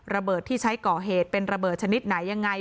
ระเบิดที่ใช้ก่อเหตุเป็นระเบิดชนิดไหนยังไง